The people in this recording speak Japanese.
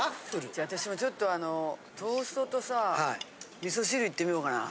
じゃあ私はちょっとあのトーストとさ味噌汁いってみようかな。